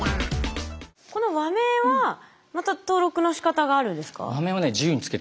この和名はまた登録のしかたがあるんですか？